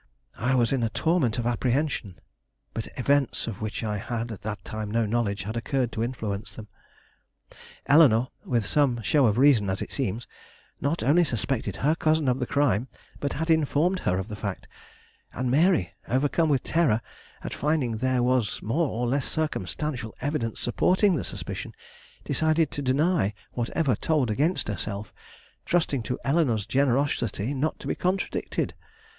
I was in a torment of apprehension. But events of which I had at that time no knowledge had occurred to influence them. Eleanore, with some show of reason, as it seems, not only suspected her cousin of the crime, but had informed her of the fact, and Mary, overcome with terror at finding there was more or less circumstantial evidence supporting the suspicion, decided to deny whatever told against herself, trusting to Eleanore's generosity not to be contradicted.